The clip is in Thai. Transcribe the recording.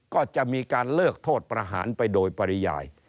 ก็จะมีการเลิกโทษประหารไปโดยปริยาย